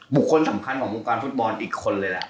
บุคคลสำคัญของวงการฟุตบอลอีกคนเลยแหละ